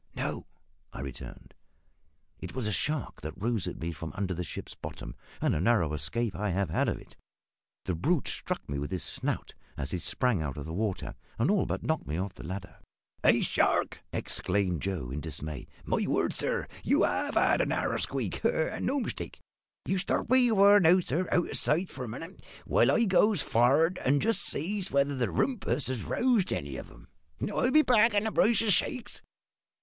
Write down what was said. "No," I returned; "it was a shark that rose at me from under the ship's bottom, and a narrow escape I have had of it; the brute struck me with his snout, as he sprang out of the water, and all but knocked me off the ladder." "A shark?" ejaculated Joe, in dismay. "My word, sir, you have had a narrer squeak, and no mistake! You stop where you are, sir, out of sight, for a minute, while I goes for'ard and just sees whether the rumpus have roused any of 'em. I'll be back in a brace of shakes."